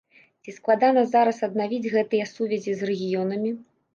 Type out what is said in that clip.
Ці складана зараз аднавіць гэтыя сувязі з рэгіёнамі?